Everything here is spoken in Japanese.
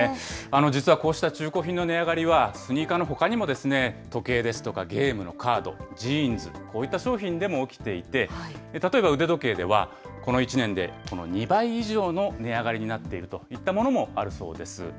実はこうした中古品の値上がりは、スニーカーのほかにも、時計ですとかゲームのカード、ジーンズ、こういった商品でも起きていて、例えば腕時計では、この１年で２倍以上の値上がりになっているといったものもあるそうです。